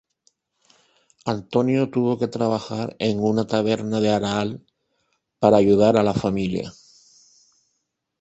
Antonio tuvo que trabajar en una taberna de Arahal para ayudar a la familia.